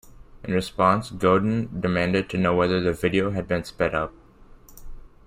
In response, Godin demanded to know whether the video had been sped up.